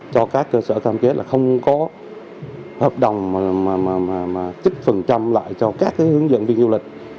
cho các cơ sở tham kết là không có hợp đồng mà chích phần trăm lại cho các hướng dẫn viên du lịch